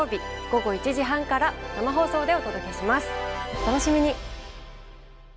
お楽しみに！